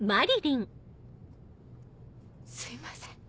すいません。